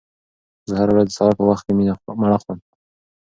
زه هره ورځ د سهار په وخت کې مڼه خورم.